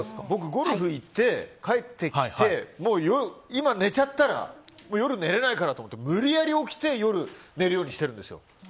僕、ゴルフに行って帰ってきて今寝ちゃったら夜寝れないからと思って無理やり起きて夜、寝るようにしてるんですよ。